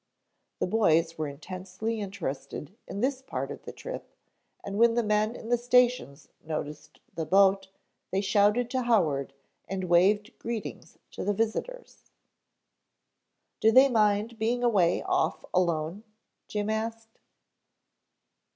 The boys were intensely interested in this part of the trip, and when the men in the stations noticed the boat, they shouted to Howard and waved greetings to the visitors. "Do they mind being away off alone?" Jim asked.